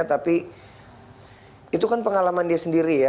tapi itu kan pengalaman dia sendiri ya